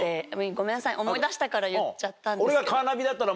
ごめんなさい思い出したから言っちゃったんですけど。